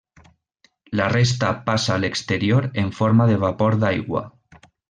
La resta passa a l'exterior en forma de vapor d'aigua.